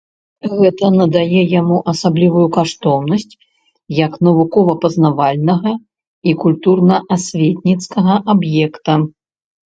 Гэта надае яму асаблівую каштоўнасць як навукова-пазнавальнага і культурна-асветніцкага аб'екта.